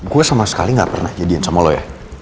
gue sama sekali gak pernah jadiin sama lo ya